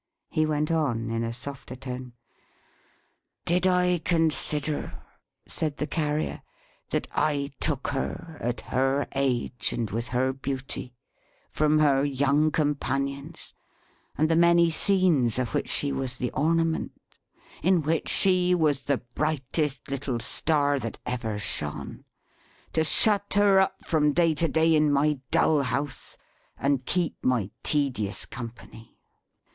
He went on in a softer tone: "Did I consider," said the Carrier, "that I took her; at her age, and with her beauty; from her young companions, and the many scenes of which she was the ornament; in which she was the brightest little star that ever shone; to shut her up from day to day in my dull house, and keep my tedious company?